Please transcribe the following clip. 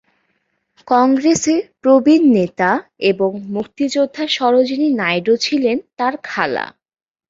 কংগ্রেসের প্রবীণ নেতা এবং মুক্তিযোদ্ধা সরোজিনী নায়ডু ছিলেন তাঁর খালা।